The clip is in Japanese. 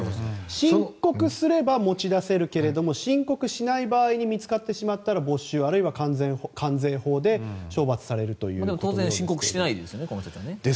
申告すれば持ち出せるけれど申告しない場合に見つかってしまったら没収、あるいは関税法で処罰されるということのようです。